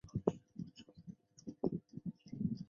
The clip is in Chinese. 身为后辈的我们